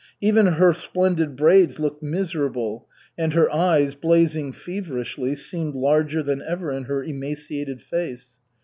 Even her splendid braids looked miserable, and her eyes, blazing feverishly, seemed larger than ever in her emaciated face.